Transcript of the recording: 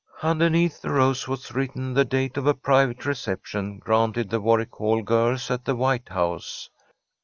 Underneath the rose was written the date of a private reception granted the Warwick Hall girls at the White House.